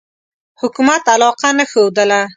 حکومت علاقه نه ښودله.